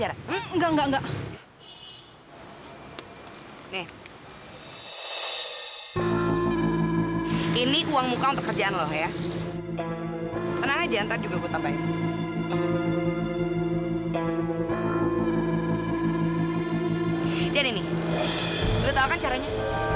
jadi nih udah tau kan caranya